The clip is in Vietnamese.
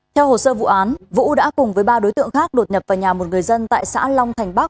theo hồ sơ vụ án vũ đã cùng với ba đối tượng khác đột nhập vào nhà một người dân tại xã long thành bắc